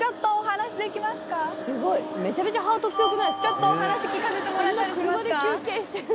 ちょっとお話聞かせてもらえたりしますか？